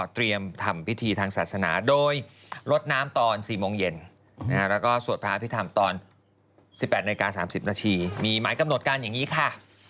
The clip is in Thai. อภิกษ์ธรรมตอน๑๘นาที๓๐นาทีมีหมายกำหนดการอย่างนี้ค่ะ